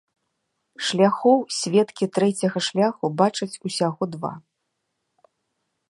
Шляхоў сведкі трэцяга шляху бачаць усяго два.